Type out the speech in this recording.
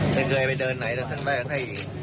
ไม่เคยไปเดินไหนแล้วถึงได้ที่